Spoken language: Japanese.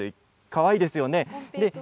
かわいいですよね。